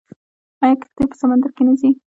آیا کښتۍ په سمندر کې نه ځي؟